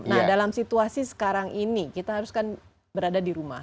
nah dalam situasi sekarang ini kita harus kan berada di rumah